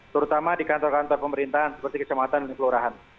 terutama di kantor kantor pemerintahan seperti kecamatan dan kelurahan